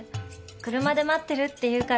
車で待ってるって言うから。